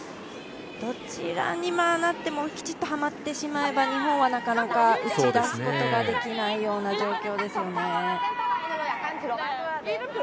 どちらになってもきちっとはまってしまえば日本はなかなか打ち出すことができないような状況ですよね。